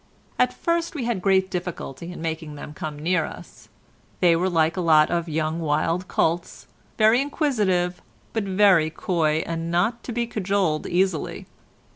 At first we had great difficulty in making them come near us. They were like a lot of wild young colts, very inquisitive, but very coy and not to be cajoled easily.